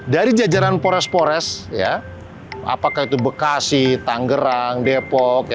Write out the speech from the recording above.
dari jajaran pores pores apakah itu bekasi tanggerang depok